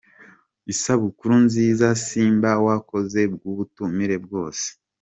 Isabukuru nziza Simba wakoze ku bw’ubutumire bwose.”